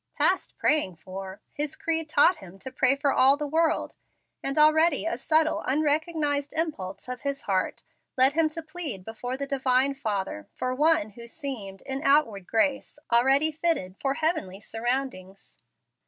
"Past praying for!" His creed taught him to pray for all the world, and already a subtile, unrecognized impulse of his heart led him to plead before the Divine Father for one who seemed, in outward grace, already fitted for heavenly surroundings.